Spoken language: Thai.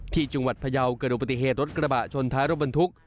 ที่จังหวัดพยาวเกิดอุบัติเหตุรถกระบะชนท้ายรถบรรทุก